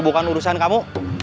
bukan urusan kamu